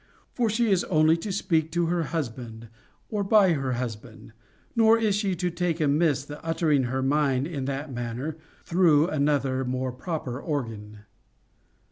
For she is only to speak to her husband, or by her husband. Nor is she to take amiss the uttering her mind in that manner, through another more proper organ.